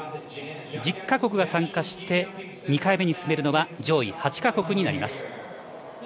１０か国が参加して２回目に進めるのは上位８か国です。